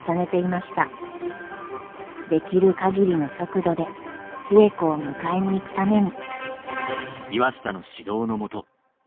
できる限りの速度で寿恵子を迎えに行くために。